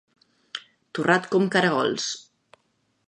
Torrat com caragols.